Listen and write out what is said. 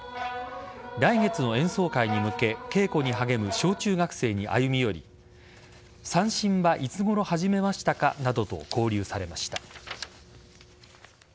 来月の演奏会に向け稽古に励む小中学生に歩み寄り三線はいつごろ始めましたかなどと交流されました。